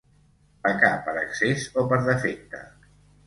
Pecar per excés o per defecte.